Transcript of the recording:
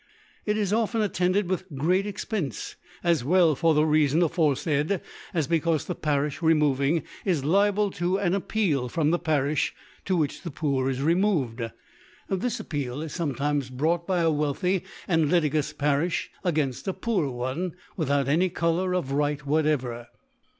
2. It is often attended with great Ex pence, as well for the Reafon aforefaid, as becaufe the Parifh removing is liable to an Appeal from the Pariffi to which the Poor is removed. This Appeal is fometimes brought by a wealthy and litigious Parifli a gainft a poor one, without any Colour of Right whatever.